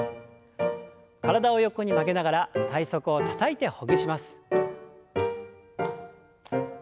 体を横に曲げながら体側をたたいてほぐします。